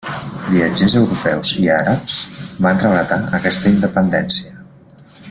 Viatgers europeus i àrabs van relatar aquesta independència.